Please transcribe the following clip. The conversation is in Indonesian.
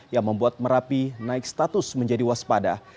yang membuat merapi naik status menjadi waspada